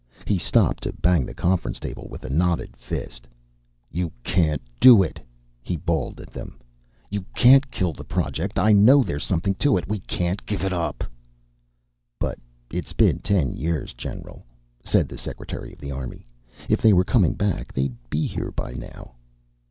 He stopped to bang the conference table with a knotted fist. "You can't do it," he bawled at them. "You can't kill the project. I know there's something to it. We can't give it up!" "But it's been ten years, General," said the secretary of the army. "If they were coming back, they'd be here by now."